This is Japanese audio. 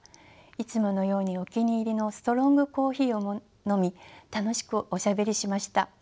いつものようにお気に入りのストロングコーヒーを飲み楽しくおしゃべりしました。